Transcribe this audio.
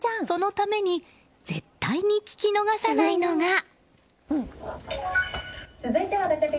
そのために絶対に聞き逃さないのが。